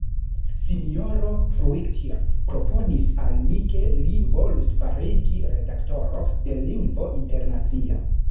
Sinjoro Fruictier proponis al mi, ke li volus fariĝi redaktoro de "Lingvo Internacia".